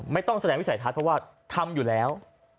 ไม่ต้องแสดงวิสัยทัศน์เพราะว่าทำอยู่แล้ว